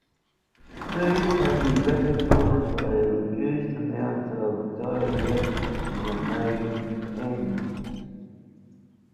These can be recognized by a reduced amount of dielectric in the mating ends.